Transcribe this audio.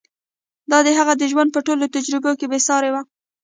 دا د هغه د ژوند په ټولو تجربو کې بې سارې وه.